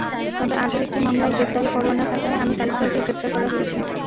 তবে আগের একটি মামলায় গ্রেপ্তারি পরোয়ানা থাকায় অমি তালুকদারকে গ্রেপ্তার করা হয়েছে।